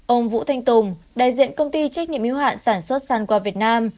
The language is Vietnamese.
ông vũ thanh tùng đại diện công ty trách nhiệm yếu hạn sản xuất san go việt nam